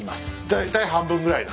大体半分ぐらいだ。